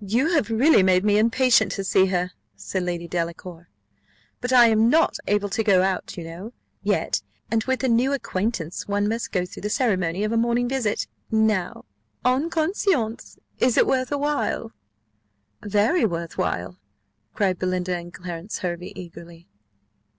"You have really made me impatient to see her," said Lady Delacour: "but I am not able to go out, you know, yet; and with a new acquaintance, one must go through the ceremony of a morning visit. Now, en conscience, is it worth while?" "Very well worth while," cried Belinda and Clarence Hervey, eagerly.